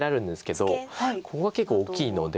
ここが結構大きいので。